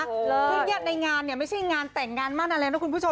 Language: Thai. คืออย่างในงานไม่ใช่งานแต่งงานมานานแล้วนะคุณผู้ชม